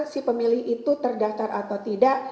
si pemilih itu terdaftar atau tidak